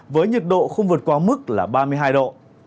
với nhiệt độ không vượt qua mức là ba mươi hai độ